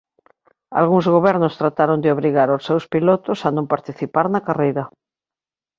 Algúns gobernos trataron de obrigar aos seus pilotos a non participar na carreira.